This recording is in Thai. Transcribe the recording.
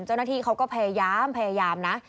เจ้าหน้าที่เขาก็พยายามนะ